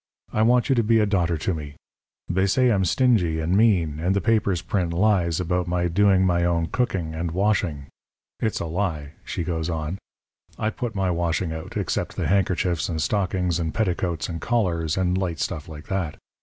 I want you to be a daughter to me. They say I'm stingy and mean, and the papers print lies about my doing my own cooking and washing. It's a lie,' she goes on. 'I put my washing out, except the handkerchiefs and stockings and petticoats and collars, and light stuff like that.